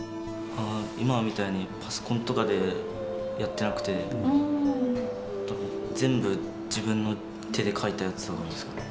今みたいにパソコンとかでやってなくて全部自分の手で書いたやつだからですかね？